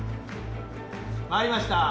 回りました。